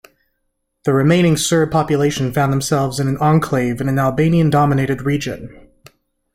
The remaining Serb population found themselves in an enclave in an Albanian-dominated region.